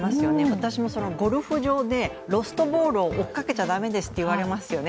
私もゴルフ場でロストボールを追っかけちゃだめですっていわれますよね。